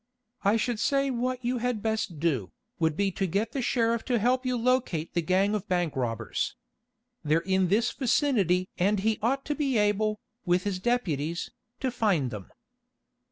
I should say what you had best do, would be to get the sheriff to help you locate the gang of bank robbers. They're in this vicinity and he ought to be able, with his deputies, to find them."